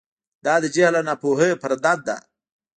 دا د جهل او ناپوهۍ پرده ده.